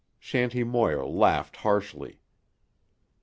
Shanty Moir laughed harshly.